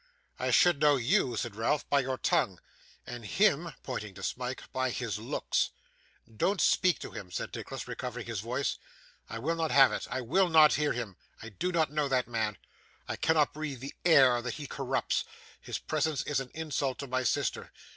'I should know YOU,' said Ralph, 'by your tongue; and HIM' (pointing to Smike) 'by his looks.' 'Don't speak to him,' said Nicholas, recovering his voice. 'I will not have it. I will not hear him. I do not know that man. I cannot breathe the air that he corrupts. His presence is an insult to my sister.